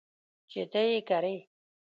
چې ته یې کرې .